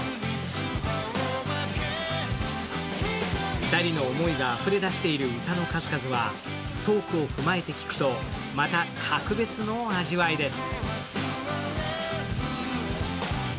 ２人の思いがあふれ出している歌の数々はトークを踏まえて聞くと、また格別の味わいです。